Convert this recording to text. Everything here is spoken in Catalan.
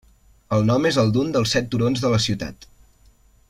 El nom és el d'un dels set turons de la ciutat.